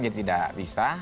jadi tidak bisa